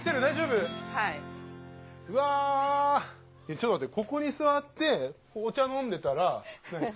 ちょっと待って。